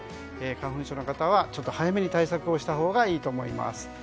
花粉症の方は、ちょっと早めに対策をしたほうがいいと思います。